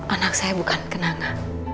anak saya bukan kenanga